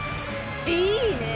いいねぇ！